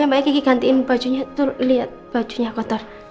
yang baiknya kiki gantiin bajunya tuh liat bajunya kotor